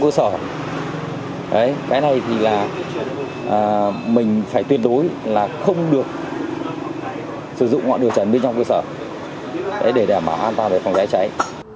cái này thì là mình phải tuyệt đối là không được sử dụng ngọn đường trần bên trong cơ sở để đảm bảo an toàn về phòng cháy cháy